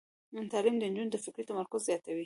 تعلیم د نجونو فکري تمرکز زیاتوي.